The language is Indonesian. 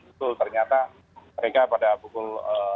itu ternyata mereka pada pukul sembilan belas tiga puluh